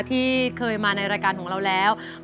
ที่เคยมาในรายการของเราแล้ว